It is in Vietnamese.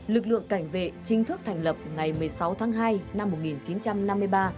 lực lượng cảnh vệ chính thức thành lập ngày một mươi sáu tháng hai năm hai nghìn một mươi năm